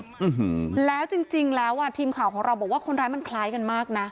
อืมแล้วจริงจริงแล้วอ่ะทีมข่าวของเราบอกว่าคนร้ายมันคล้ายกันมากน่ะ